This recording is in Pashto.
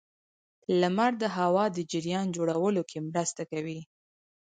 • لمر د هوا د جریان جوړولو کې مرسته کوي.